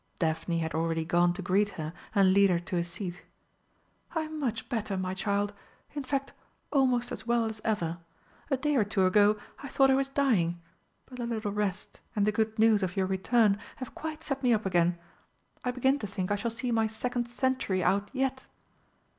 Daphne had already gone to greet her and lead her to a seat. "I'm much better, my child in fact almost as well as ever. A day or two ago I thought I was dying but a little rest and the good news of your return have quite set me up again. I begin to think I shall see my second century out yet!"